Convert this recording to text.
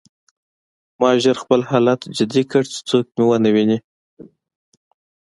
ما ژر خپل حالت جدي کړ چې څوک مې ونه ویني